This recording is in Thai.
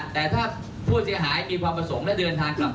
แต่ถ้าผู้เสียหายมีความประสงค์และเดินทางกลับ